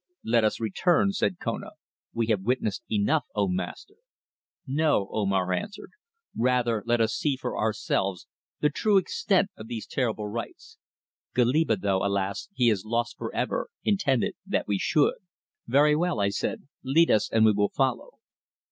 "Let us return," said Kona. "We have witnessed enough, O Master." "No," Omar answered. "Rather let us see for ourselves the true extent of these terrible rites. Goliba, though, alas! he is lost for ever, intended that we should." "Very well," I said. "Lead us, and we will follow."